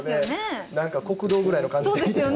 何か国道ぐらいの感じですよね。